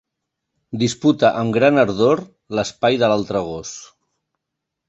Disputa amb gran ardor l'espai de l'altre gos.